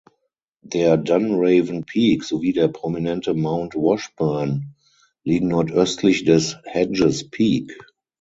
Der Dunraven Peak sowie der prominente Mount Washburn liegen nordöstlich des Hedges Peak.